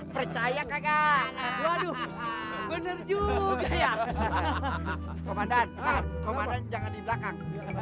percaya kagak bener juga ya komandan